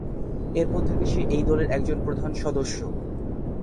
এরপর থেকে সে এই দলের একজন প্রধান সদস্য।